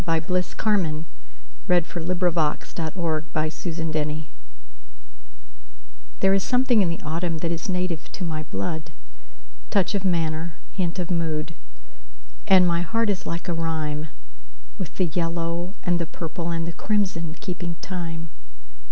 1917. Bliss Carman A Vagabond Song THERE is something in the autumn that is native to my blood—Touch of manner, hint of mood; And my heart is like a rhyme, With the yellow and the purple and the crimson keeping time.